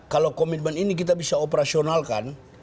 kalau komitmen ini kita bisa operasionalkan